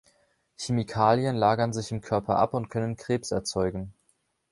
Chemikalien lagern sich im Körper ab und können Krebs erzeugen.